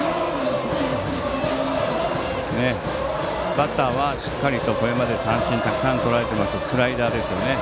バッターは、しっかりとこれまで三振たくさんとられているスライダーですよね。